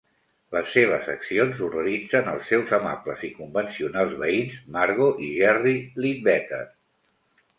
Les seves accions horroritzen als seus amables i convencionals veïns, Margo i Jerry Leadbetter.